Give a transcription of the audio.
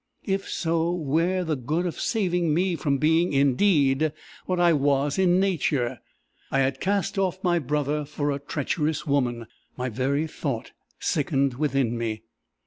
If so, where the good of saving me from being in deed what I was in nature? I had cast off my brother for a treacherous woman! My very thought sickened within me.